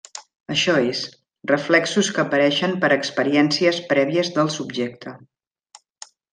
Això és: reflexos que apareixen per experiències prèvies del subjecte.